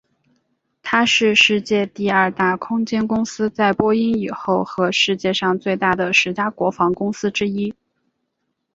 它是世界第二大空间公司在波音以后和世界上最大的十家国防公司之一。